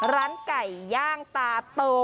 ร้านไก่ย่างตาโต